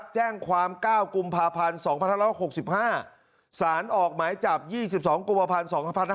แจ้งความ๙กุมภาพันธ์๒๕๖๕สารออกหมายจับ๒๒กุมภาพันธ์๒๕๖๒